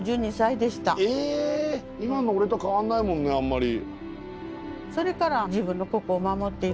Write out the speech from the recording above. えっ今の俺と変わんないもんねあんまり。